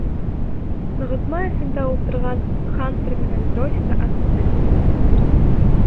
Нығытма эсендә ултырған Хантер менән Джойс та атты.